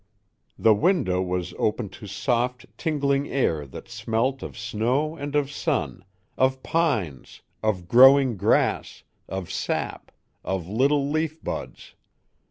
The window was open to soft, tingling air that smelt of snow and of sun, of pines, of growing grass, of sap, of little leaf buds.